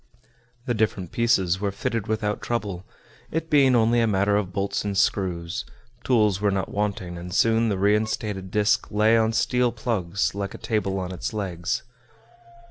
The different pieces were fitted without trouble, it being only a matter of bolts and screws; tools were not wanting, and soon the reinstated disc lay on steel plugs, like a table on its legs.